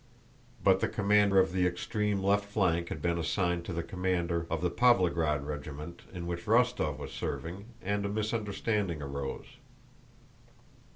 But the command of the extreme left flank had been assigned to the commander of the Pávlograd regiment in which Rostóv was serving, and a misunderstanding arose.